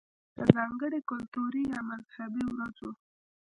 ده ځانګړې کلتوري يا مذهبي ورځو